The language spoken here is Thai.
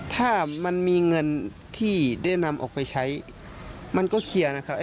ถ้ามันมีเงินที่ได้นำออกไปใช้มันก็เคลียร์นะครับ